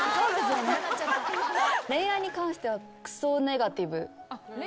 恋愛に関してはくそネガティブ。